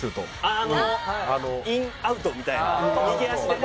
あああのイン・アウトみたいな右足でね。